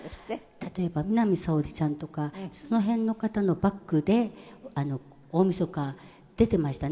例えば南沙織ちゃんとかその辺の方のバックで大みそか出ていましたね